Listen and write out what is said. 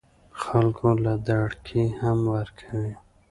خلکو له دړکې هم ورکوي